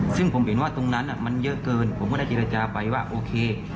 ซึ่งผมเห็นว่าตรงนั้นมันเยอะเกินผมก็ได้เจรจาไปว่าโอเค